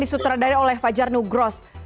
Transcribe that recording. diterima oleh wajar nugros